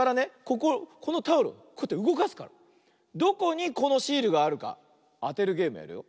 こここのタオルこうやってうごかすからどこにこのシールがあるかあてるゲームやるよ。